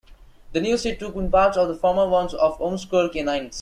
The new seat took in parts of the former ones of Ormskirk and Ince.